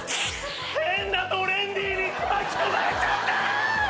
変なトレンディーに巻き込まれちゃった！